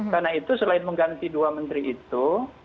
karena itu selain mengganti dua menteri itu